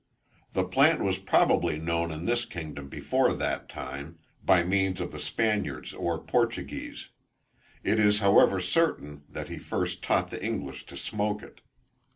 The plant was probably known in this kingdom before that time, by means of the Spaniards or Portuguese; it is however certain, that he first taught the English to smoke it.